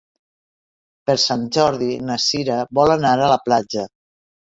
Per Sant Jordi na Cira vol anar a la platja.